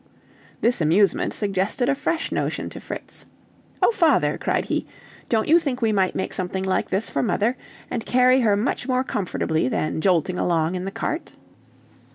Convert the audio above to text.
This amusement suggested a fresh notion to Fritz. "Oh, father," cried he, "don't you think we might make something like this for mother, and carry her much more comfortably than jolting along in the cart?"